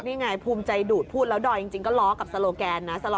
นี่ไงภูมิใจดูดพูดแล้วดอยจริงก็ล้อกับโซโลแกนนะ